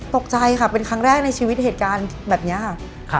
ตกใจค่ะเป็นครั้งแรกในชีวิตเหตุการณ์แบบนี้ค่ะ